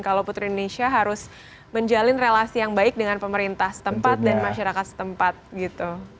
kalau putri indonesia harus menjalin relasi yang baik dengan pemerintah setempat dan masyarakat setempat gitu